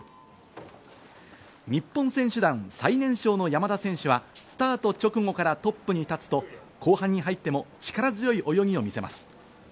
日本選手団、最年少の山田選手はスタート直後からトップに立つと、後半に入っても力強い泳ぎを見せます。